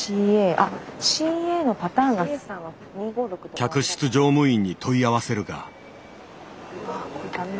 客室乗務員に問い合わせるが。